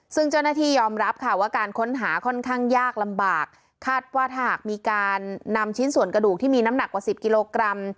ซึ่งเจ้าหน้าที่ยอมรับค่ะว่าการค้นหาค่อนข้างยากลำบากคาดว่าถ้าหากมีการนำชิ้นส่วนกระดูกที่มีน้ำหนักกว่าสิบกิโลกรัม